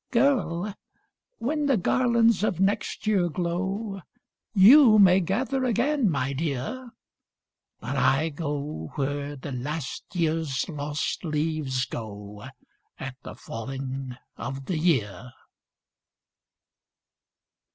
Girl! when the garlands of next year glow, YOU may gather again, my dear But I go where the last year's lost leaves go At the falling of the year."